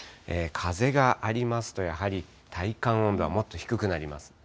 風がありますと、やはり体感温度はもっと低くなります。